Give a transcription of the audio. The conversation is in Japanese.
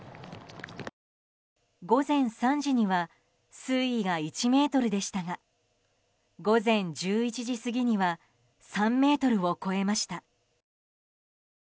午前３時には水位が１ｍでしたが午前１１時過ぎには３ｍを超えました。